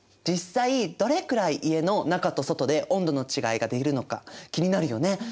実際どれくらい家の中と外で温度の違いが出るのか気になるよね？